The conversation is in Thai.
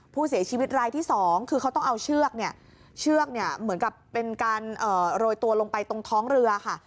ผู้เสียชีวิตรายที่สองคือเขาต้องเอาเชือกเนี่ยเชือกเนี่ยเหมือนกับเป็นการโรยตัวลงไปตรงท้องเรือค่ะ